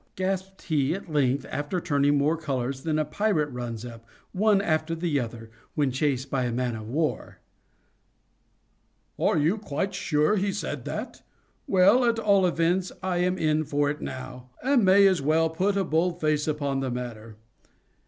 gasped he at length, after turning more colors than a pirate runs up, one after the other, when chased by a man of war. "Are you quite sure he said that? Well, at all events I am in for it now, and may as well put a bold face upon the matter.